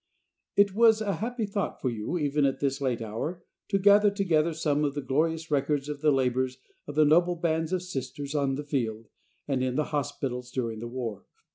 It was a happy thought for you, even at this late hour, to gather together some of the glorious records of the labors of the noble bands of Sisters on the field and in the hospitals during the war.